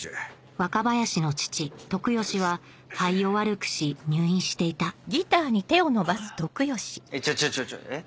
若林の父・徳義は肺を悪くし入院していたちょちょちょえ？